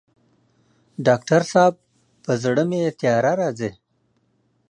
ډاکټر صاحب په زړه مي تیاره راځي